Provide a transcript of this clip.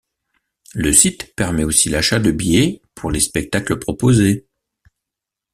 Le site permet aussi l'achat de billets pour les spectacles proposés.